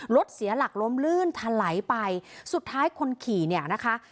รถเสียหลักล้มลื่นทะไหลไปสุดท้ายคนขี่เนี่ยนะคะ